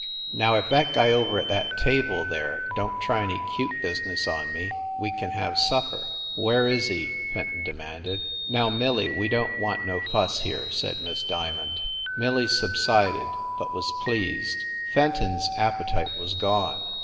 "Now, if that guy over at that table there don t try any cute business on me, we can have supper." "Where is he ?" Fenton demanded. "Now, Millie, we don t want no fuss here," said Miss Diamond. Millie subsided, but was pleased. Fenton s appe tite was gone.